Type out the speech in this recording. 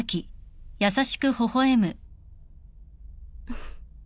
フッ。